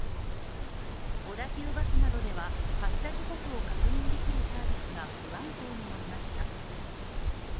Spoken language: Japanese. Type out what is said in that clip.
小田急バスなどでは発車時刻を確認できるサービスが不安定になりました。